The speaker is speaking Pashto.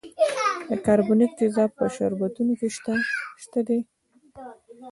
د کاربونیک تیزاب په شربتونو کې شته دی.